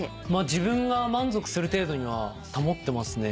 自分が満足する程度には保ってますね